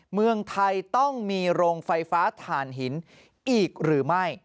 เมืองไทยต้องมีโรงไฟฟ้าถ่านหินอีกหรือไม่